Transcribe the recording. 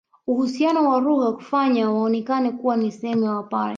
Uhusiano wa lugha hufanya waonekane kuwa ni sehemu ya Wapare